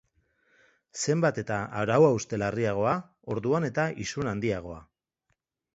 Zenbat eta arau-hauste larriagoa, orduan eta isun handiagoa.